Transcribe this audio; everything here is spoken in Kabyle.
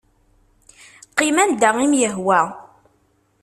Qqim anda i m-yehwa.